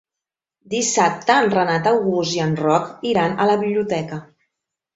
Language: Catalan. Dissabte en Renat August i en Roc iran a la biblioteca.